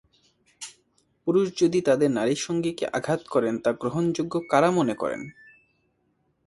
পুরুষ যদি তাঁদের নারী সঙ্গীকে আঘাত করেন, তা গ্রহণযোগ্য কারা মনে করেন?